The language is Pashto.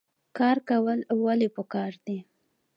کار کول ولې پکار دي؟